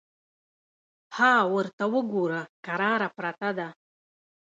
_ها ورته وګوره! کراره پرته ده.